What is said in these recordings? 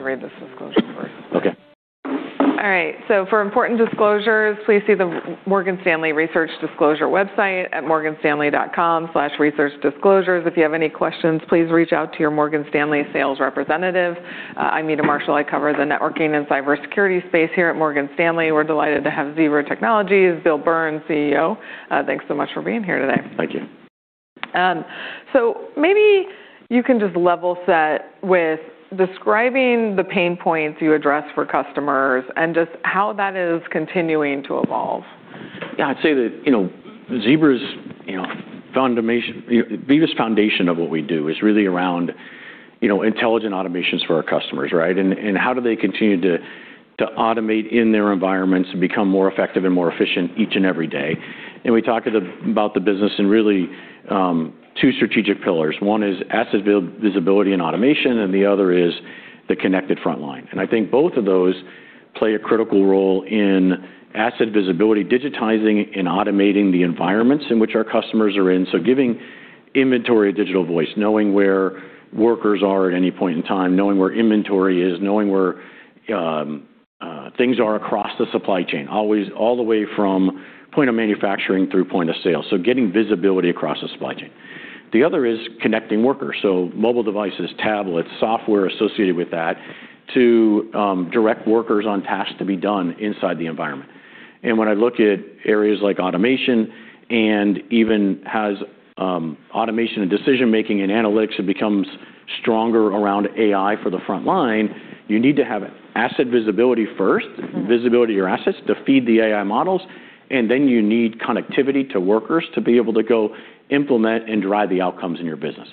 I have to read this disclosure first. Okay. All right, for important disclosures, please see the Morgan Stanley Research Disclosure website at morganstanley.com/researchdisclosures. If you have any questions, please reach out to your Morgan Stanley sales representative. I'm Meta Marshall. I cover the networking and cybersecurity space here at Morgan Stanley. We're delighted to have Zebra Technologies' Bill Burns, CEO. Thanks so much for being here today. Thank you. Maybe you can just level set with describing the pain points you address for customers and just how that is continuing to evolve. Yeah. I'd say that, you know, Zebra's, you know, foundation of what we do is really around, you know, intelligent automations for our customers, right? How do they continue to automate in their environments and become more effective and more efficient each and every day? We talk about the business in really two strategic pillars. One is asset visibility and automation, and the other is the connected front line. I think both of those play a critical role in asset visibility, digitizing and automating the environments in which our customers are in. Giving inventory a digital voice, knowing where workers are at any point in time, knowing where inventory is, knowing where things are across the supply chain, always all the way from point of manufacturing through point of sale. Getting visibility across the supply chain. The other is connecting workers. Mobile devices, tablets, software associated with that to direct workers on tasks to be done inside the environment. When I look at areas like automation and even as automation and decision-making and analytics, it becomes stronger around AI for the front line, you need to have asset visibility first. Mm-hmm. Visibility of your assets to feed the AI models, you need connectivity to workers to be able to go implement and drive the outcomes in your business.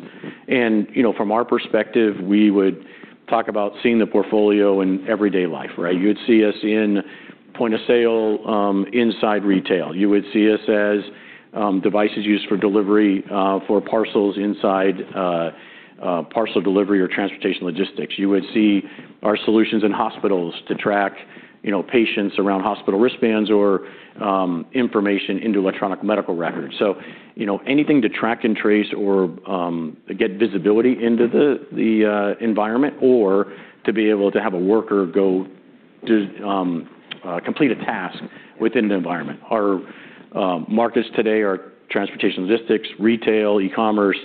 You know, from our perspective, we would talk about seeing the portfolio in everyday life, right? You would see us in point of sale inside retail. You would see us as devices used for delivery for parcels inside parcel delivery or transportation logistics. You would see our solutions in hospitals to track, you know, patients around hospital wristbands or information into electronic medical records. You know, anything to track and trace or get visibility into the environment or to be able to have a worker go to complete a task within the environment. Our markets today are transportation logistics, retail, e-commerce,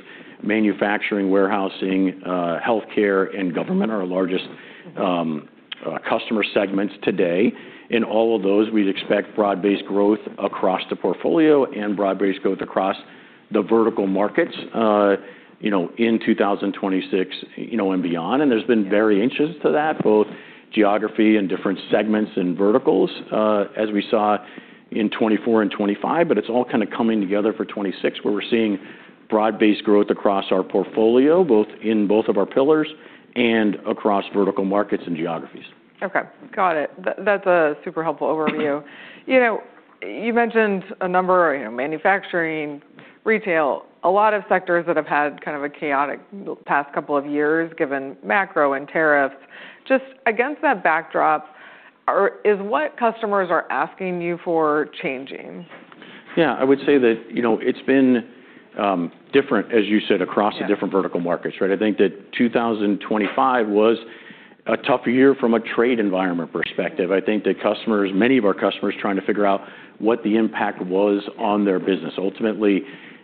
manufacturing, warehousing, healthcare and government are our largest customer segments today. In all of those, we'd expect broad-based growth across the portfolio and broad-based growth across the vertical markets, you know, in 2026, you know, and beyond. There's been variations to that, both geography and different segments and verticals, as we saw in 2024 and 2025, but it's all kind of coming together for 2026, where we're seeing broad-based growth across our portfolio, both in both of our pillars and across vertical markets and geographies. Okay. Got it. That's a super helpful overview. You know, you mentioned a number, you know, manufacturing, retail, a lot of sectors that have had kind of a chaotic past couple of years, given macro and tariffs. Just against that backdrop, is what customers are asking you for changing? Yeah. I would say that, you know, it's been different, as you said across- Yeah.... the different vertical markets, right? I think that 2025 was a tougher year from a trade environment perspective. I think that customers, many of our customers trying to figure out what the impact was on their business. Ultimately,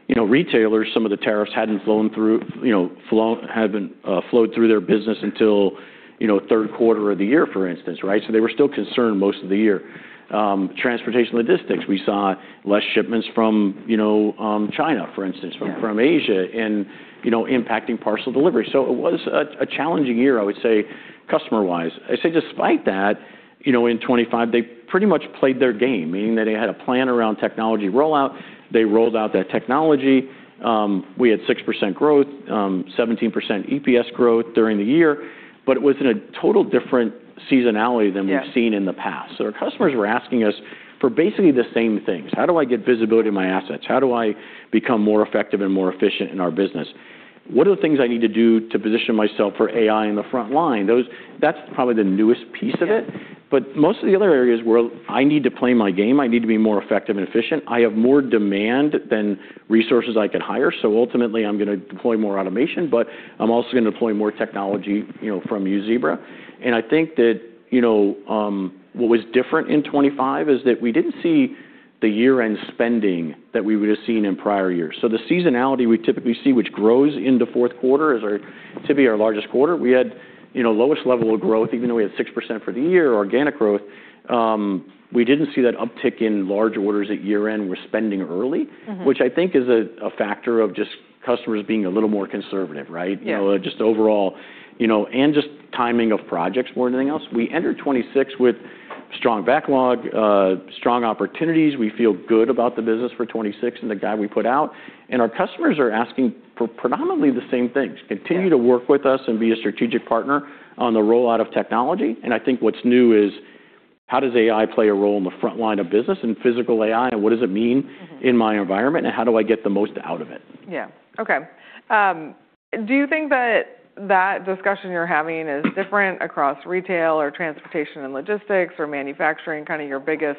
you know, retailers, some of the tariffs hadn't flown through, you know, flowed through their business until, you know, third quarter of the year, for instance, right? They were still concerned most of the year. Transportation logistics, we saw less shipments from, you know, China, for instance- Yeah.... from Asia and, you know, impacting parcel delivery. It was a challenging year, I would say, customer-wise. I'd say despite that, you know, in 2025, they pretty much played their game, meaning that they had a plan around technology rollout. They rolled out that technology. We had 6% growth, 17% EPS growth during the year. It was in a total different seasonality than we've- Yeah.... seen in the past. Our customers were asking us for basically the same things. How do I get visibility in my assets? How do I become more effective and more efficient in our business? What are the things I need to do to position myself for AI in the front line? That's probably the newest piece of it. Yeah. Most of the other areas were, I need to play my game. I need to be more effective and efficient. I have more demand than resources I can hire, so ultimately, I'm gonna deploy more automation, but I'm also gonna deploy more technology, you know, from you, Zebra. I think that, you know, what was different in 2025 is that we didn't see the year-end spending that we would have seen in prior years. The seasonality we typically see, which grows into fourth quarter, is typically our largest quarter. We had, you know, lowest level of growth, even though we had 6% for the year, organic growth. We didn't see that uptick in large orders at year-end. We're spending early- Mm-hmm.... which I think is a factor of just customers being a little more conservative, right? Yeah. You know, just overall, you know, and just timing of projects more than anything else. We entered 2026 with strong backlog, strong opportunities. We feel good about the business for 2026 and the guide we put out. Our customers are asking for predominantly the same things. Yeah. Continue to work with us and be a strategic partner on the rollout of technology. I think what's new is how does AI play a role in the front line of business and Physical AI, and what does it mean- Mm-hmm.... in my environment, and how do I get the most out of it? Yeah. Okay. Do you think that that discussion you're having is different across retail or transportation and logistics or manufacturing, kind of your biggest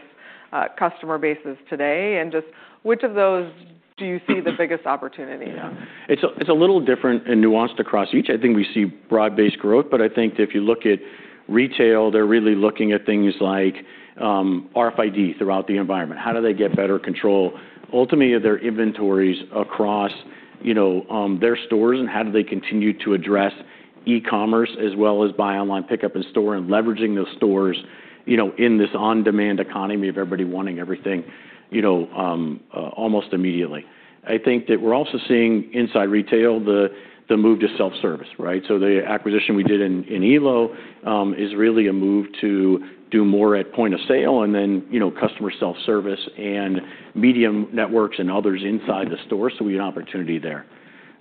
customer bases today, just which of those do you see the biggest opportunity in? Yeah. It's a, it's a little different and nuanced across each. I think we see broad-based growth, but I think if you look at retail, they're really looking at things like RFID throughout the environment. How do they get better control ultimately of their inventories across, you know, their stores, and how do they continue to address e-commerce as well as buy online pickup in store and leveraging those stores, you know, in this on-demand economy of everybody wanting everything, you know, almost immediately? I think that we're also seeing inside retail the move to self-service, right? The acquisition we did in Elo is really a move to do more at point of sale and then, you know, customer self-service and medium networks and others inside the store, so we have opportunity there.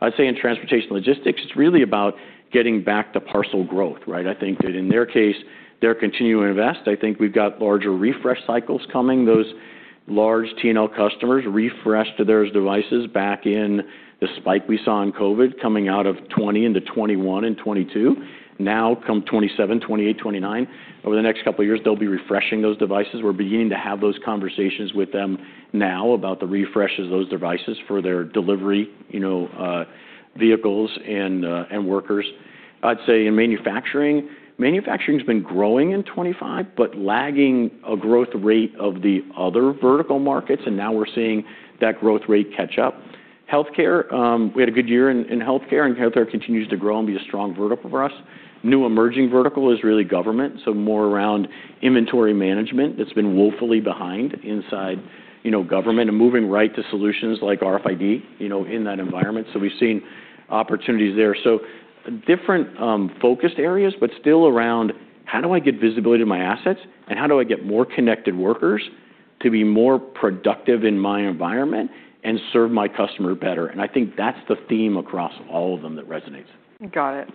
I'd say in transportation logistics, it's really about getting back to parcel growth, right? I think that in their case, they're continuing to invest. I think we've got larger refresh cycles coming. Those large T&L customers refreshed those devices back in the spike we saw in COVID coming out of 2020 into 2021 and 2022. Now come 2027, 2028, 2029, over the next couple of years, they'll be refreshing those devices. We're beginning to have those conversations with them now about the refresh of those devices for their delivery, you know, vehicles and workers. I'd say in manufacturing's been growing in 2025, but lagging a growth rate of the other vertical markets, and now we're seeing that growth rate catch up. Healthcare, we had a good year in healthcare, and healthcare continues to grow and be a strong vertical for us. New emerging vertical is really government, so more around inventory management that's been woefully behind inside, you know, government and moving right to solutions like RFID, you know, in that environment. We've seen opportunities there. Different, focused areas, but still around how do I get visibility to my assets, and how do I get more connected workers to be more productive in my environment and serve my customer better? I think that's the theme across all of them that resonates. Got it.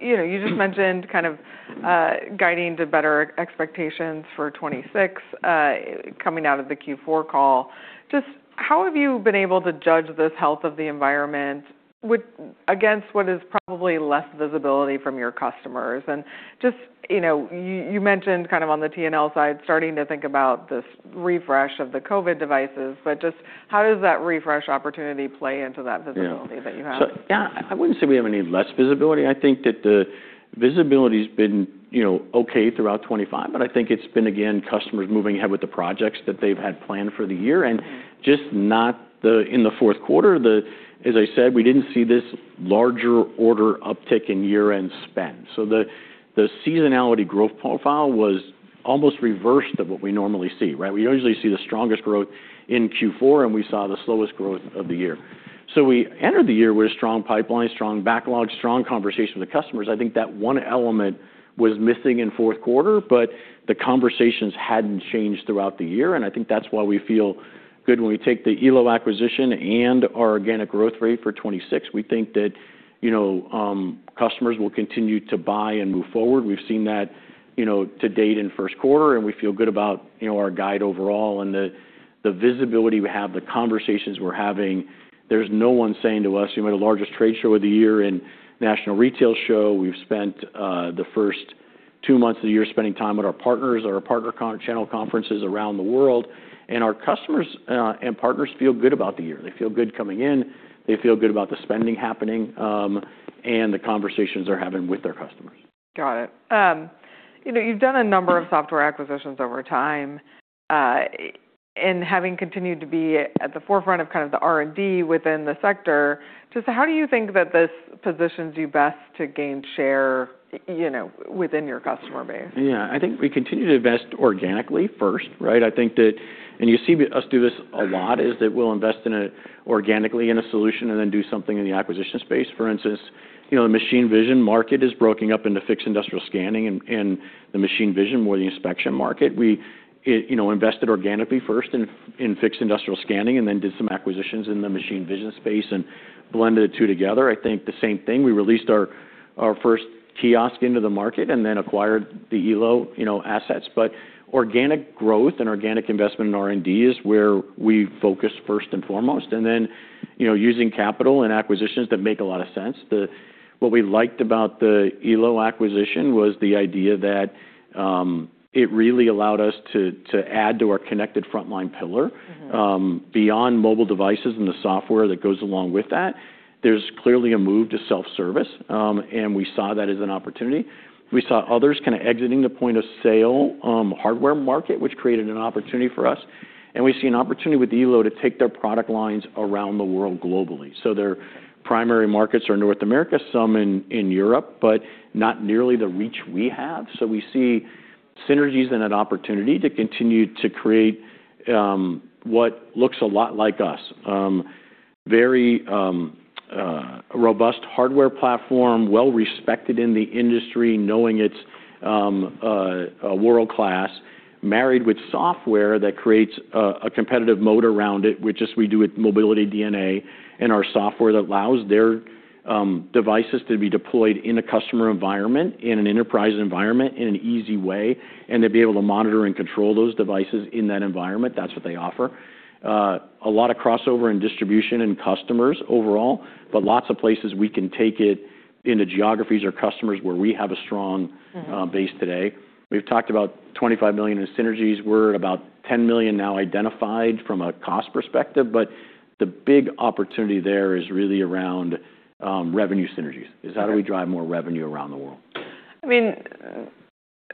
you know, you just mentioned kind of guiding to better expectations for 2026 coming out of the Q4 call. Just how have you been able to judge this health of the environment with... against what is probably less visibility from your customers? Just, you know, you mentioned kind of on the T&L side starting to think about this refresh of the COVID devices, but just how does that refresh opportunity play into that visibility that you have? Yeah, I wouldn't say we have any less visibility. I think that the visibility's been, you know, okay throughout 2025, but I think it's been, again, customers moving ahead with the projects that they've had planned for the year, and just not in the fourth quarter, as I said, we didn't see this larger order uptick in year-end spend. The seasonality growth profile was almost reverse to what we normally see, right? We usually see the strongest growth in Q4, and we saw the slowest growth of the year. We entered the year with a strong pipeline, strong backlog, strong conversation with the customers. I think that one element was missing in fourth quarter, but the conversations hadn't changed throughout the year, and I think that's why we feel good when we take the Elo acquisition and our organic growth rate for 2026. We think that, you know, customers will continue to buy and move forward. We've seen that, you know, to date in first quarter, and we feel good about, you know, our guide overall and the visibility we have, the conversations we're having. There's no one saying to us, you know, the largest trade show of the year in National Retail Federation Show. We've spent the first two months of the year spending time with our partners, our partner channel conferences around the world, and our customers, and partners feel good about the year. They feel good coming in. They feel good about the spending happening, and the conversations they're having with their customers. Got it. you know, you've done a number of software acquisitions over time, and having continued to be at the forefront of kind of the R&D within the sector, just how do you think that this positions you best to gain share, you know, within your customer base? Yeah. I think we continue to invest organically first, right? And you see us do this a lot, is that we'll invest in it organically in a solution and then do something in the acquisition space. For instance, you know, the machine vision market is broken up into fixed industrial scanning and, the machine vision or the inspection market. We, you know, invested organically first in fixed industrial scanning and then did some acquisitions in the machine vision space and blended the two together. I think the same thing, we released our first kiosk into the market and then acquired the Elo, you know, assets. Organic growth and organic investment in R&D is where we focus first and foremost, and then, you know, using capital and acquisitions that make a lot of sense. The... What we liked about the Elo acquisition was the idea that it really allowed us to add to our connected frontline pillar. Mm-hmm beyond mobile devices and the software that goes along with that. There's clearly a move to self-service, and we saw that as an opportunity. We saw others kind of exiting the point-of-sale, hardware market, which created an opportunity for us. We see an opportunity with Elo to take their product lines around the world globally. Their primary markets are North America, some in Europe, but not nearly the reach we have. We see synergies and an opportunity to continue to create, what looks a lot like us. Very robust hardware platform, well-respected in the industry, knowing it's a world-class, married with software that creates a competitive mode around it, which is we do with Mobility DNA and our software that allows their devices to be deployed in a customer environment, in an enterprise environment in an easy way, and to be able to monitor and control those devices in that environment. That's what they offer. A lot of crossover in distribution and customers overall, but lots of places we can take it into geographies or customers where we have a strong- Mm-hmm. ...base today. We've talked about $25 million in synergies. We're about $10 million now identified from a cost perspective, but the big opportunity there is really around revenue synergies. Okay. Is how do we drive more revenue around the world? I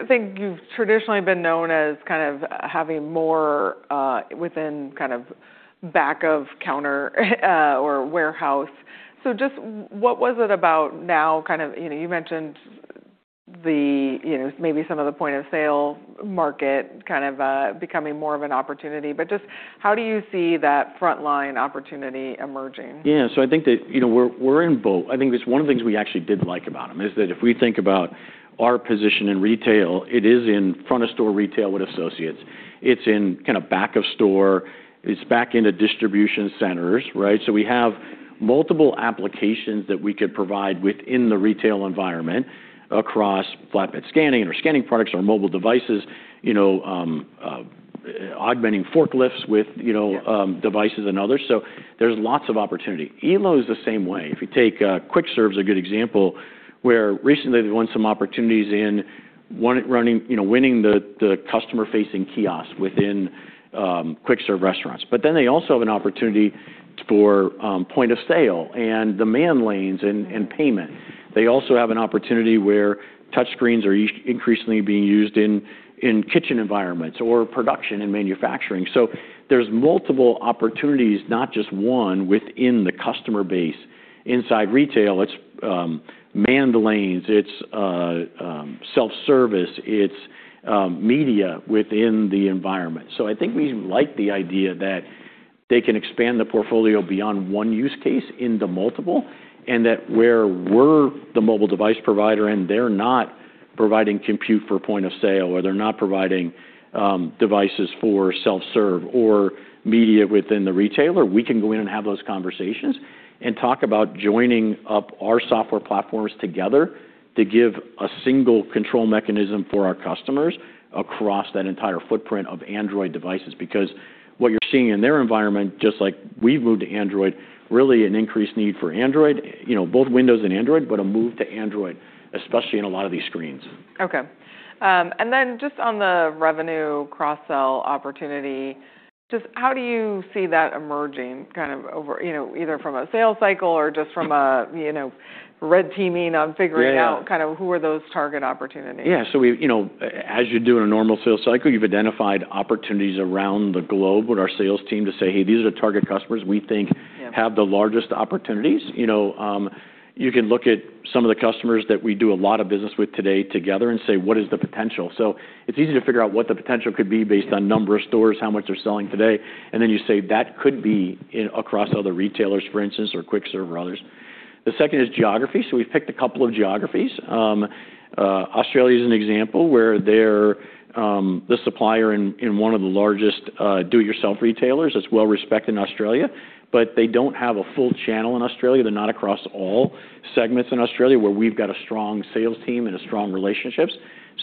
mean-I think you've traditionally been known as kind of having more within kind of back-of-counter or warehouse. Just what was it about now kind of, you know, you mentioned the, you know, maybe some of the point-of-sale market kind of becoming more of an opportunity, but just how do you see that frontline opportunity emerging? Yeah. I think that, you know, we're in both. I think it's one of the things we actually did like about them is that if we think about our position in retail, it is in front-of-store retail with associates. It's in kind of back of store. It's back into distribution centers, right? We have multiple applications that we could provide within the retail environment across flatbed scanning or scanning products or mobile devices, you know, augmenting forklifts with, you know- Yeah. ...devices and others. There's lots of opportunity. Elo is the same way. If you take Quick Service is a good example, where recently they won some opportunities in, you know, winning the customer-facing kiosk within quick service restaurants. They also have an opportunity for point of sale and demand lanes and payment. They also have an opportunity where touch screens are increasingly being used in kitchen environments or production and manufacturing. There's multiple opportunities, not just one within the customer base. Inside retail, it's manned lanes, it's self-service, it's media within the environment. I think we like the idea that they can expand the portfolio beyond one use case into multiple, and that where we're the mobile device provider and they're not providing compute for point of sale, or they're not providing devices for self-serve or media within the retailer, we can go in and have those conversations and talk about joining up our software platforms together to give a single control mechanism for our customers across that entire footprint of Android devices. What you're seeing in their environment, just like we've moved to Android, really an increased need for Android, you know, both Windows and Android, but a move to Android, especially in a lot of these screens. Okay. Then just on the revenue cross-sell opportunity, just how do you see that emerging kind of over, you know, either from a sales cycle or just from a, you know, red teaming on figuring- Yeah.... out kind of who are those target opportunities? Yeah. We, you know, as you do in a normal sales cycle, you've identified opportunities around the globe with our sales team to say, "Hey, these are the target customers we think- Yeah.... have the largest opportunities." You know, you can look at some of the customers that we do a lot of business with today together and say, "What is the potential?" It's easy to figure out what the potential could be based on number of stores, how much they're selling today, and then you say, "That could be across other retailers," for instance, or Quick Service or others. The second is geography. We've picked a couple of geographies. Australia is an example where they're the supplier in one of the largest do it yourself retailers. It's well respected in Australia, but they don't have a full channel in Australia. They're not across all segments in Australia, where we've got a strong sales team and strong relationships.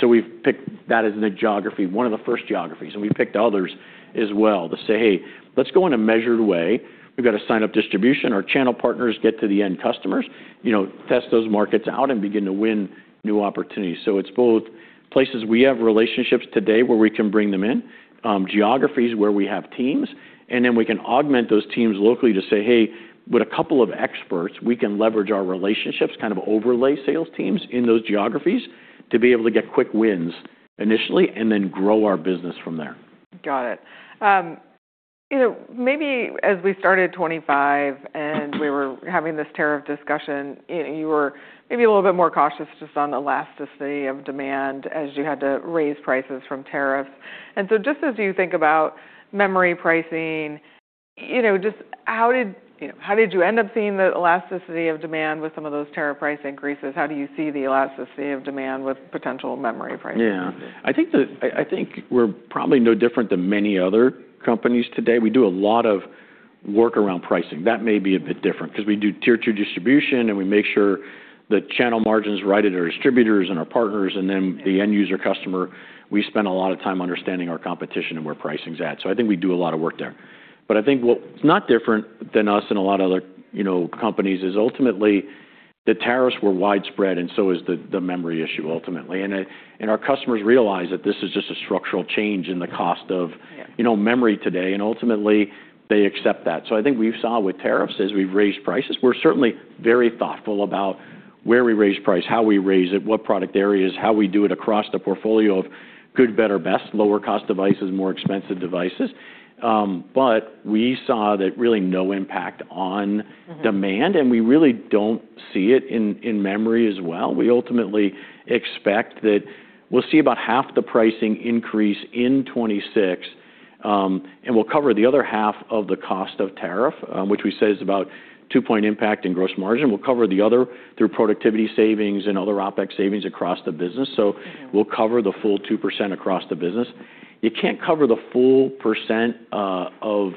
We've picked that as the geography, one of the first geographies, and we picked others as well to say, "Hey, let's go in a measured way. We've got to sign up distribution. Our channel partners get to the end customers. You know, test those markets out and begin to win new opportunities." It's both places we have relationships today where we can bring them in, geographies where we have teams, and then we can augment those teams locally to say, "Hey, with a couple of experts, we can leverage our relationships, kind of overlay sales teams in those geographies to be able to get quick wins initially and then grow our business from there. Got it. you know, maybe as we started 2025 and we were having this tariff discussion, you know, you were maybe a little bit more cautious just on elasticity of demand as you had to raise prices from tariffs. Just as you think about memory pricing, you know, just how did, you know, how did you end up seeing the elasticity of demand with some of those tariff price increases? How do you see the elasticity of demand with potential memory pricing? Yeah. I think we're probably no different than many other companies today. We do a lot of work around pricing. That may be a bit different 'cause we do tier two distribution, and we make sure the channel margin's right at our distributors and our partners and then the end user customer. We spend a lot of time understanding our competition and where pricing's at. I think we do a lot of work there. I think what's not different than us and a lot of other, you know, companies is ultimately the tariffs were widespread and so is the memory issue ultimately. Our customers realize that this is just a structural change in the cost of- Yeah.... you know, memory today, ultimately they accept that. I think we saw with tariffs, as we've raised prices, we're certainly very thoughtful about where we raise price, how we raise it, what product areas, how we do it across the portfolio of good, better, best, lower cost devices, more expensive devices. We saw that really no impact on- Mm-hmm.... demand, and we really don't see it in memory as well. We ultimately expect that we'll see about half the pricing increase in 2026, and we'll cover the other half of the cost of tariff, which we say is about two-point impact in gross margin. We'll cover the other through productivity savings and other OpEx savings across the business. Mm-hmm. We'll cover the full 2% across the business. You can't cover the full percent of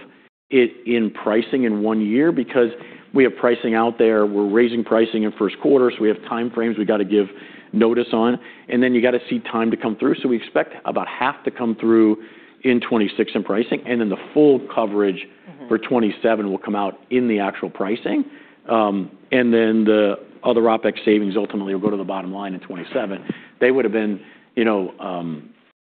it in pricing in one year because we have pricing out there. We're raising pricing in first quarter, so we have time frames we gotta give notice on, and then you gotta see time to come through. We expect about half to come through in 2026 in pricing, and then the full coverage- Mm-hmm.... for 2027 will come out in the actual pricing. Then the other OpEx savings ultimately will go to the bottom line in 2027. They would've been, you know,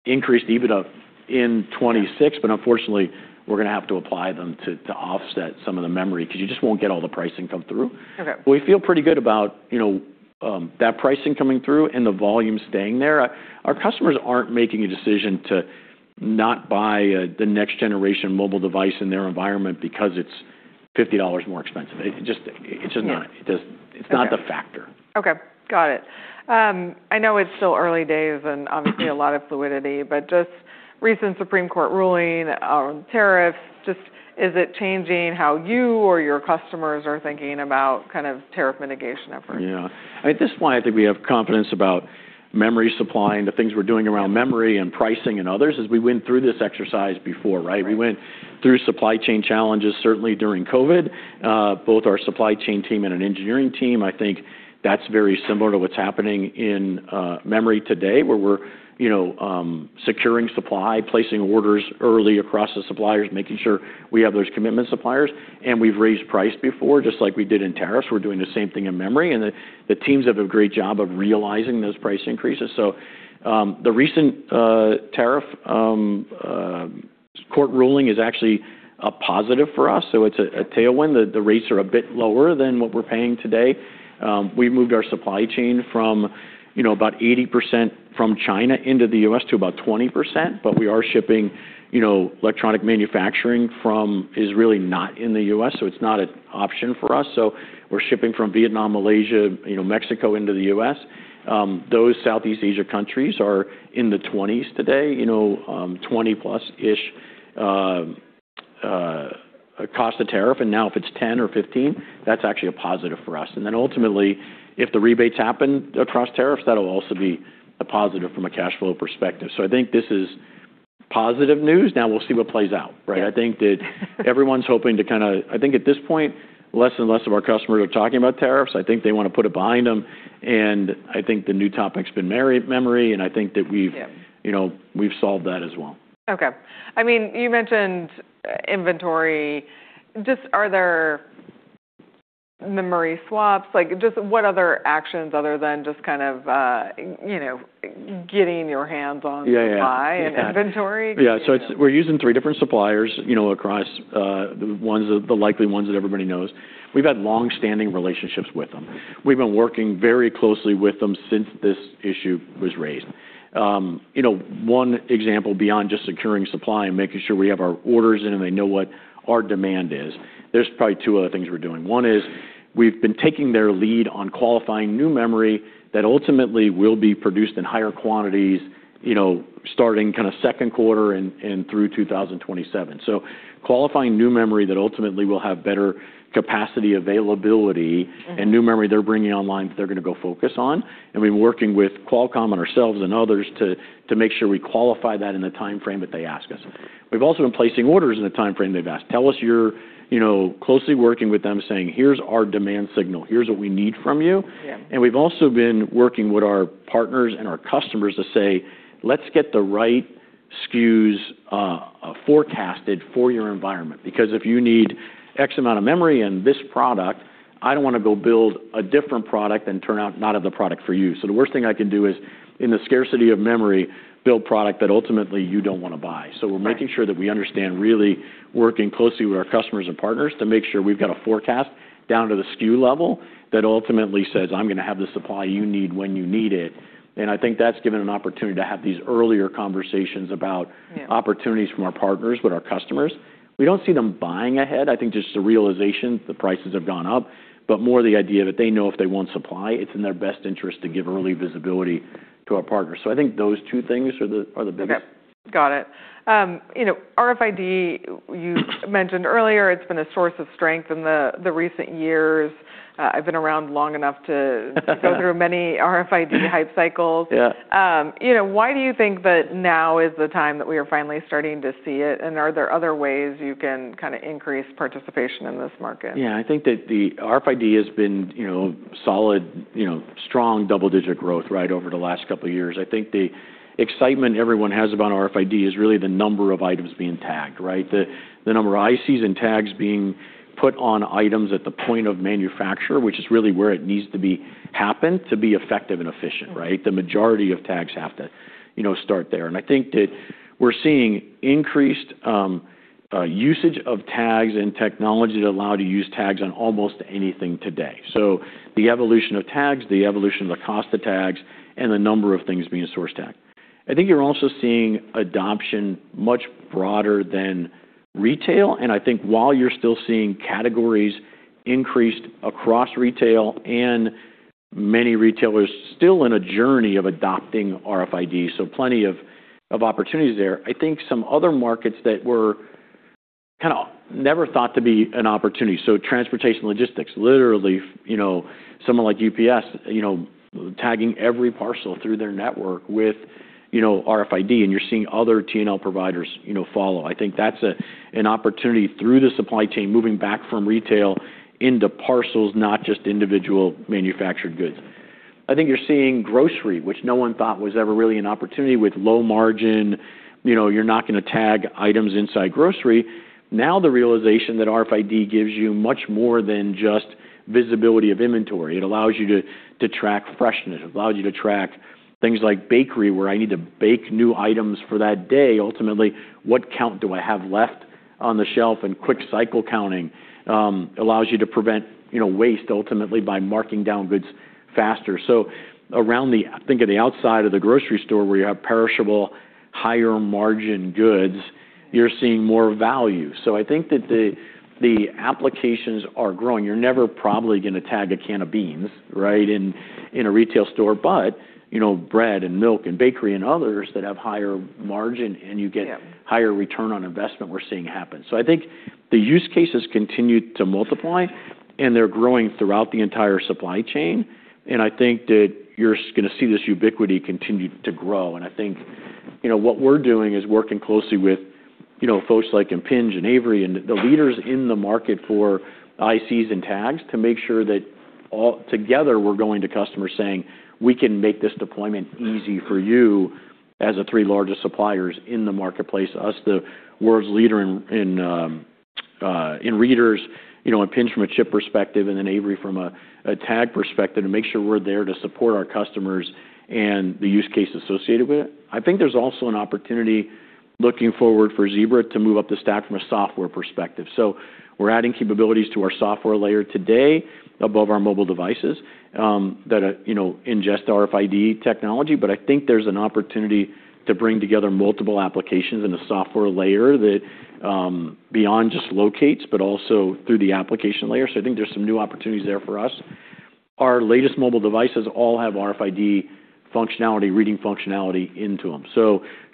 increased EBITDA in 2026, unfortunately, we're gonna have to apply them to offset some of the memory 'cause you just won't get all the pricing come through. Okay. We feel pretty good about, you know, that pricing coming through and the volume staying there. Our customers aren't making a decision to not buy the next generation mobile device in their environment because it's $50 more expensive. It's just not. Yeah. It does- Okay. It's not the factor. Okay. Got it. I know it's still early days and obviously a lot of fluidity, just recent Supreme Court ruling on tariffs, just is it changing how you or your customers are thinking about kind of tariff mitigation efforts? Yeah. At this point, I think we have confidence about memory supply and the things we're doing around memory and pricing and others, as we went through this exercise before, right? We went through supply chain challenges, certainly during COVID. Both our supply chain team and an engineering team, I think that's very similar to what's happening in memory today, where we're, you know, securing supply, placing orders early across the suppliers, making sure we have those commitment suppliers. We've raised price before, just like we did in tariffs. We're doing the same thing in memory. The teams have a great job of realizing those price increases. The recent tariff court ruling is actually a positive for us, so it's a tailwind. The rates are a bit lower than what we're paying today. We've moved our supply chain from, you know, about 80% from China into the U.S. to about 20%. We are shipping, you know, electronic manufacturing from- ...is really not in the U.S., so it's not an option for us. We're shipping from Vietnam, Malaysia, you know, Mexico into the U.S. Those Southeast Asia countries are in the 20s today, you know, 20-plus-ish% cost of tariff. Now if it's 10% or 15%, that's actually a positive for us. Ultimately, if the rebates happen across tariffs, that'll also be a positive from a cash flow perspective. I think this is positive news. Now we'll see what plays out, right? Yeah. I think at this point, less and less of our customers are talking about tariffs. I think they wanna put it behind them, and I think the new topic's been memory. Yeah. And I think that, you know, we've solved that as well. Okay. I mean, you mentioned inventory. Just are there memory swaps? Like, just what other actions other than just kind of, you know, getting your hands on- Yeah. Yeah.... supply and inventory? Yeah. it's we're using three different suppliers, you know, across the ones, the likely ones that everybody knows. We've had long-standing relationships with them. We've been working very closely with them since this issue was raised. you know, one example beyond just securing supply and making sure we have our orders in and they know what our demand is, there's probably two other things we're doing. One is we've been taking their lead on qualifying new memory that ultimately will be produced in higher quantities, you know, starting kinda second quarter and through 2027. Qualifying new memory that ultimately will have better capacity availability- Mm-hmm.... and new memory they're bringing online that they're going to go focus on. We've been working with Qualcomm and ourselves and others to make sure we qualify that in the timeframe that they ask us. We've also been placing orders in the timeframe they've asked. Tell us you're, you know, closely working with them, saying, "Here's our demand signal. Here's what we need from you." Yeah. We've also been working with our partners and our customers to say, "Let's get the right SKUs forecasted for your environment." Because if you need X amount of memory in this product, I don't wanna go build a different product and turn out not have the product for you. The worst thing I can do is, in the scarcity of memory, build product that ultimately you don't wanna buy. Right. We're making sure that we understand really working closely with our customers and partners to make sure we've got a forecast down to the SKU level that ultimately says, "I'm gonna have the supply you need when you need it." I think that's given an opportunity to have these earlier conversations about- Yeah. ...opportunities from our partners with our customers. We don't see them buying ahead. I think just the realization the prices have gone up, but more the idea that they know if they want supply, it's in their best interest to give early visibility to our partners. I think those two things are the biggest. Okay. Got it. You know, RFID, you mentioned earlier, it's been a source of strength in the recent years. I've been around long enough to go through many RFID hype cycles. Yeah. You know, why do you think that now is the time that we are finally starting to see it? Are there other ways you can kinda increase participation in this market? Yeah. I think that the RFID has been, you know, solid, you know, strong double-digit growth, right, over the last couple of years. I think the excitement everyone has about RFID is really the number of items being tagged, right? The number of ICs and tags being put on items at the point of manufacturer, which is really where it needs to be happened to be effective and efficient, right? Mm-hmm. The majority of tags have to, you know, start there. I think that we're seeing increased usage of tags and technology that allow to use tags on almost anything today. The evolution of tags, the evolution of the cost of tags, and the number of things being a source tag. I think you're also seeing adoption much broader than retail. I think while you're still seeing categories increased across retail and many retailers still in a journey of adopting RFID, plenty of opportunities there. I think some other markets that were kind of never thought to be an opportunity. Transportation logistics, literally, you know, someone like UPS, you know, tagging every parcel through their network with, you know, RFID. You're seeing other T&L providers, you know, follow. I think that's a, an opportunity through the supply chain, moving back from retail into parcels, not just individual manufactured goods. I think you're seeing grocery, which no one thought was ever really an opportunity with low margin. You know, you're not gonna tag items inside grocery. Now, the realization that RFID gives you much more than just visibility of inventory. It allows you to track freshness. It allows you to track things like bakery, where I need to bake new items for that day. Ultimately, what count do I have left on the shelf? Quick cycle counting allows you to prevent, you know, waste ultimately by marking down goods faster. I think at the outside of the grocery store where you have perishable higher margin goods, you're seeing more value. I think that the applications are growing. You're never probably gonna tag a can of beans, right, in a retail store. you know, bread and milk and bakery and others that have higher margin and you get- Yeah.... higher return on investment we're seeing happen. I think the use cases continue to multiply, and they're growing throughout the entire supply chain. I think that you're gonna see this ubiquity continue to grow. I think, you know, what we're doing is working closely with, you know, folks like Impinj and Avery, and the leaders in the market for ICs and tags to make sure that all together we're going to customers saying, "We can make this deployment easy for you as the three largest suppliers in the marketplace." Us, the world's leader in readers. You know, Impinj from a chip perspective, and then Avery from a tag perspective, to make sure we're there to support our customers and the use case associated with it. I think there's also an opportunity looking forward for Zebra to move up the stack from a software perspective. We're adding capabilities to our software layer today above our mobile devices that are, you know, ingest RFID technology. I think there's an opportunity to bring together multiple applications in a software layer that beyond just locates, but also through the application layer. I think there's some new opportunities there for us. Our latest mobile devices all have RFID functionality, reading functionality into them.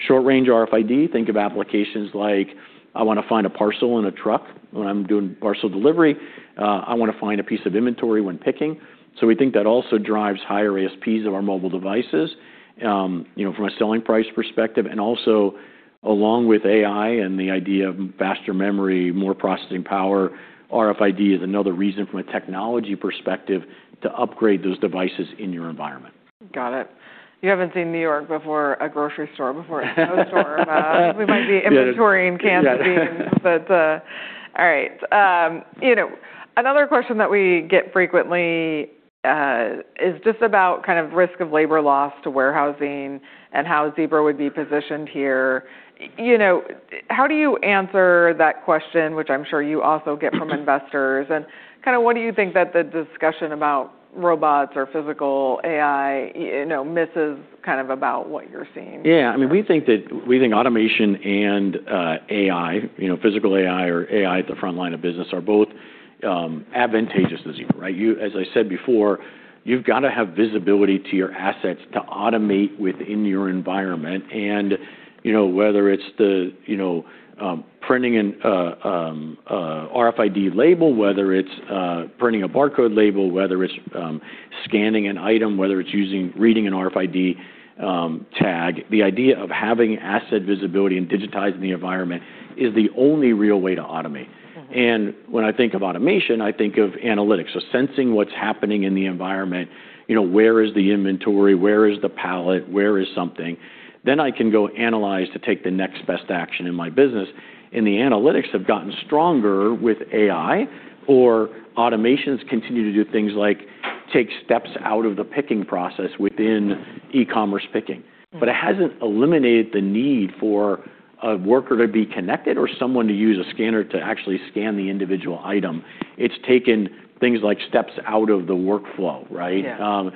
Short-range RFID, think of applications like, I wanna find a parcel in a truck when I'm doing parcel delivery. I wanna find a piece of inventory when picking. We think that also drives higher ASPs of our mobile devices, you know, from a selling price perspective. Also along with AI and the idea of faster memory, more processing power, RFID is another reason from a technology perspective to upgrade those devices in your environment. Got it. You haven't seen New York before, a grocery store before. A store. We might be inventorying cans of beans, but. All right. You know, another question that we get frequently, is just about kind of risk of labor loss to warehousing and how Zebra would be positioned here. You know, how do you answer that question, which I'm sure you also get from investors? Kind of what do you think that the discussion about robots or physical AI, you know, misses kind of about what you're seeing? Yeah, I mean, we think automation and AI, you know, physical AI or AI at the frontline of business are both advantageous to Zebra, right? As I said before, you've got to have visibility to your assets to automate within your environment. And, you know, whether it's the, you know, printing an RFID label, whether it's printing a barcode label, whether it's scanning an item, whether it's using reading an RFID tag, the idea of having asset visibility and digitizing the environment is the only real way to automate. Mm-hmm. When I think of automation, I think of analytics. Sensing what's happening in the environment, you know, where is the inventory? Where is the pallet? Where is something? I can go analyze to take the next best action in my business. The analytics have gotten stronger with AI or automations continue to do things like take steps out of the picking process within e-commerce picking. Mm-hmm. It hasn't eliminated the need for a worker to be connected or someone to use a scanner to actually scan the individual item. It's taken things like steps out of the workflow, right? Yeah.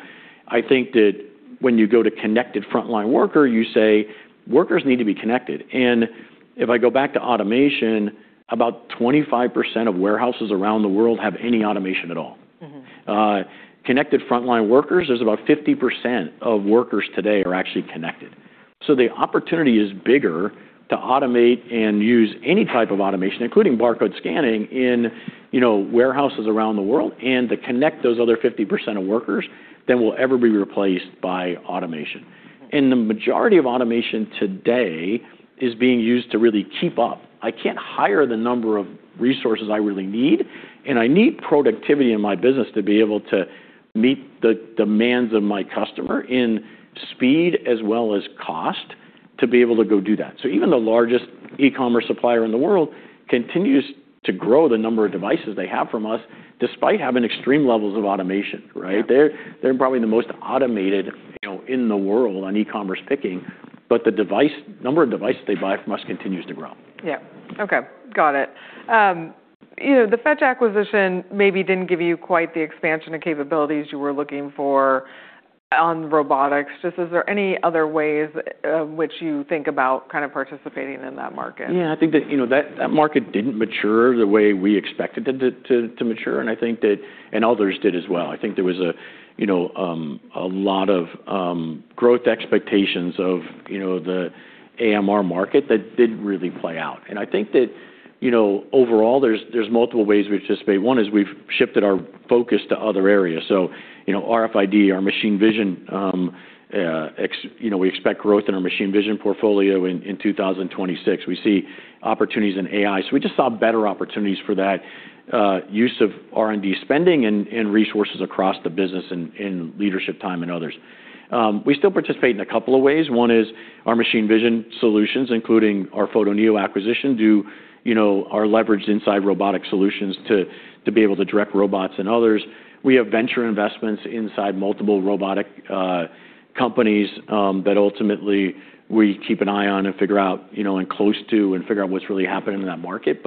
I think that when you go to connected frontline worker, you say workers need to be connected. If I go back to automation, about 25% of warehouses around the world have any automation at all. Mm-hmm. Connected frontline workers, there's about 50% of workers today are actually connected. The opportunity is bigger to automate and use any type of automation, including barcode scanning in, you know, warehouses around the world and to connect those other 50% of workers than will ever be replaced by automation. Mm-hmm. The majority of automation today is being used to really keep up. I can't hire the number of resources I really need, and I need productivity in my business to be able to meet the demands of my customer in speed as well as cost to be able to go do that. Even the largest e-commerce supplier in the world continues to grow the number of devices they have from us, despite having extreme levels of automation, right? Yeah. They're probably the most automated, you know, in the world on e-commerce picking, but the number of devices they buy from us continues to grow. Yeah. Okay. Got it. You know, the Fetch acquisition maybe didn't give you quite the expansion and capabilities you were looking for on robotics. Is there any other ways, which you think about kind of participating in that market? Yeah. I think that, you know, that market didn't mature the way we expected it to mature, and others did as well. I think there was a, you know, a lot of growth expectations of, you know, the AMR market that didn't really play out. I think that, you know, overall, there's multiple ways we participate. One is we've shifted our focus to other areas. You know, RFID, our machine vision, you know, we expect growth in our machine vision portfolio in 2026. We see opportunities in AI. We just saw better opportunities for that use of R&D spending and resources across the business in leadership time and others. We still participate in a couple of ways. One is our machine vision solutions, including our Photoneo acquisition, you know, are leveraged inside robotic solutions to be able to direct robots and others. We have venture investments inside multiple robotic companies that ultimately we keep an eye on and figure out, you know, and close to and figure out what's really happening in that market.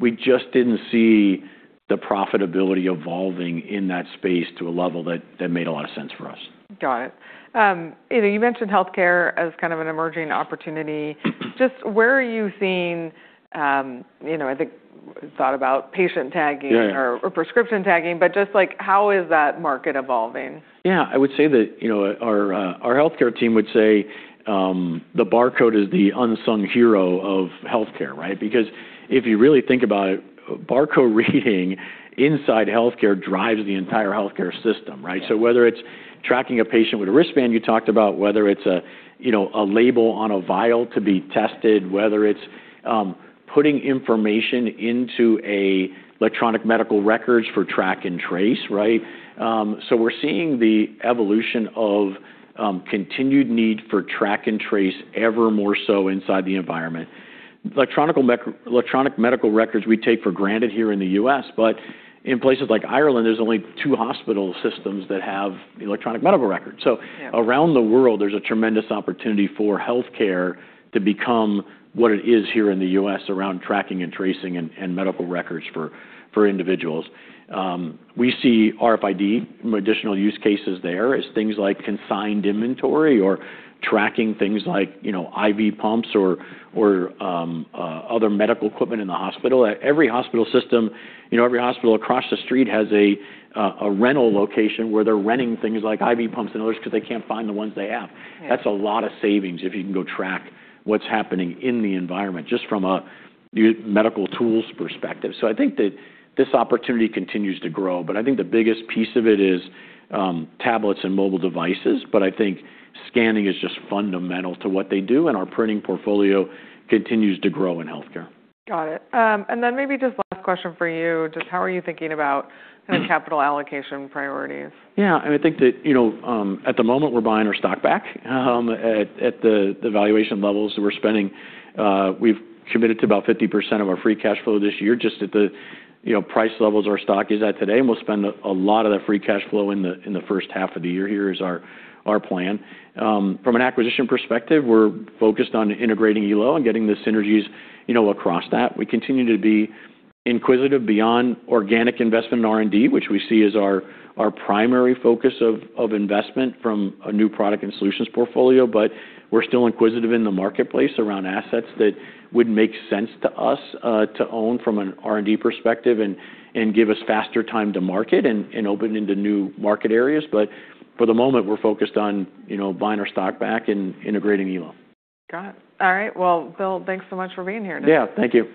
We just didn't see the profitability evolving in that space to a level that made a lot of sense for us. Got it. you know, you mentioned healthcare as kind of an emerging opportunity. Just where are you seeing, you know, I think thought about patient tagging- Yeah, yeah.... or prescription tagging, but just like, how is that market evolving? Yeah. I would say that, you know, our healthcare team would say, the barcode is the unsung hero of healthcare, right? Because if you really think about it, barcode reading inside healthcare drives the entire healthcare system, right? Yeah. Whether it's tracking a patient with a wristband, you talked about whether it's a, you know, a label on a vial to be tested, whether it's putting information into an electronic medical records for track and trace, right? We're seeing the evolution of continued need for track and trace ever more so inside the environment. electronic medical records we take for granted here in the U.S., but in places like Ireland, there's only two hospital systems that have electronic medical records. Yeah. Around the world, there's a tremendous opportunity for healthcare to become what it is here in the U.S. around tracking and tracing and medical records for individuals. We see RFID, additional use cases there as things like confined inventory or tracking things like, you know, IV pumps or other medical equipment in the hospital. Every hospital system, you know, every hospital across the street has a rental location where they're renting things like IV pumps and others because they can't find the ones they have. Yeah. That's a lot of savings if you can go track what's happening in the environment, just from a medical tools perspective. I think that this opportunity continues to grow, but I think the biggest piece of it is tablets and mobile devices. I think scanning is just fundamental to what they do, and our printing portfolio continues to grow in healthcare. Got it. Maybe just last question for you. Just how are you thinking about kind of capital allocation priorities? Yeah. I think that, you know, at the moment, we're buying our stock back at the valuation levels that we're spending. We've committed to about 50% of our free cash flow this year just at the, you know, price levels our stock is at today, and we'll spend a lot of that free cash flow in the first half of the year. Here is our plan. From an acquisition perspective, we're focused on integrating Elo and getting the synergies, you know, across that. We continue to be inquisitive beyond organic investment in R&D, which we see as our primary focus of investment from a new product and solutions portfolio. We're still inquisitive in the marketplace around assets that would make sense to us, to own from an R&D perspective and give us faster time to market and open into new market areas. For the moment, we're focused on, you know, buying our stock back and integrating Elo. Got it. All right. Well, Bill, thanks so much for being here today. Yeah, thank you.